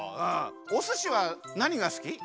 おすしはなにがすき？